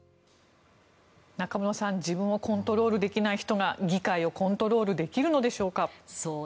中室さん自分をコントロールできない人が議会をコントロールできるのでしょうか。